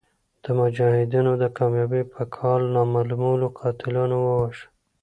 د مجاهدینو د کامیابۍ په کال نامعلومو قاتلانو وواژه.